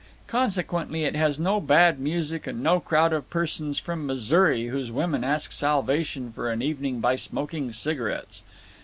Consequently it has no bad music and no crowd of persons from Missouri whose women risk salvation for an evening by smoking cigarettes.